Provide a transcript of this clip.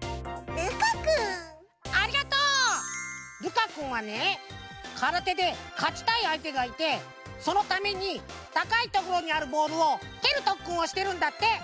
かくんはねからてでかちたいあいてがいてそのためにたかいところにあるボールをけるとっくんをしてるんだって！